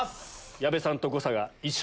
矢部さんと誤差が一緒。